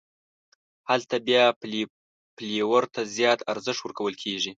هلته بیا فلېور ته زیات ارزښت ورکول کېږي.